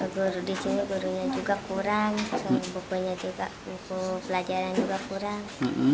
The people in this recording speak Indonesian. guru di sini gurunya juga kurang bukunya juga buku pelajaran juga kurang